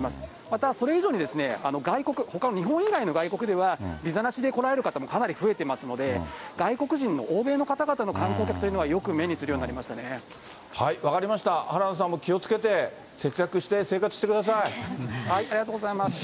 またそれ以上に外国、ほかの日本以外の外国ではビザなしで来られる方もかなり増えてますので、外国人の欧米の方々の観光客というのは、分かりました、原田さんも気をつけて、ありがとうございます。